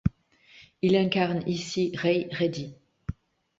Il incarne ici Ray Reddy.